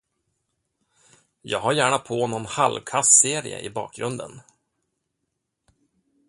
Jag har gärna på någon halvkass serie i bakgrunden.